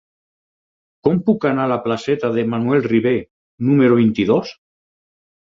Com puc anar a la placeta de Manuel Ribé número vint-i-dos?